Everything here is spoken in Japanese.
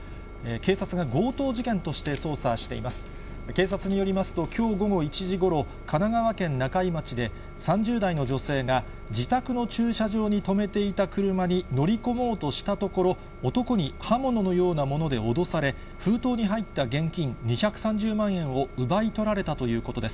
警察によりますと、きょう午後１時ごろ、神奈川県中井町で、３０代の女性が、自宅の駐車場に止めていた車に乗り込もうとしたところ、男に刃物のようなもので脅され、封筒に入った現金２３０万円を奪い取られたということです。